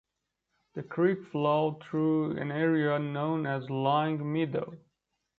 The creek flowed through an area known as Long Meadow.